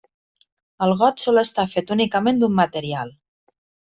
El got sol estar fet únicament d'un material.